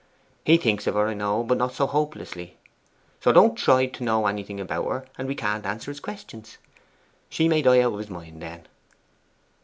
He thinks of her, I know, but not so hopelessly. So don't try to know anything about her, and we can't answer his questions. She may die out of his mind then.